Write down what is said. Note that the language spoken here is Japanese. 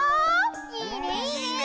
いいねいいね！